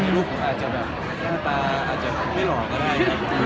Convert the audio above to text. ลูกอาจจะแบบหมาปะอาจจะไม่หลอกก็ได้